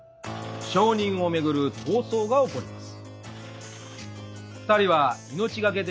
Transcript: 承認をめぐる闘争が起こります。